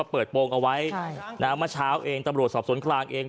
เปิดโปรงเอาไว้เมื่อเช้าเองตำรวจสอบสวนกลางเอง